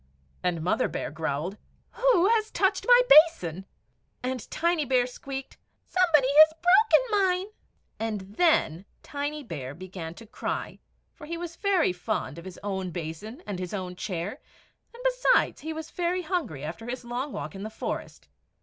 And Mother Bear growled, "WHO HAS TOUCHED MY BASIN?" And Tiny Bear squeaked, "SOMEBODY HAS BROKEN MINE!" And then Tiny Bear began to cry, for he was very fond of his own basin and his own chair; and, besides, he was very hungry after his long walk in the forest.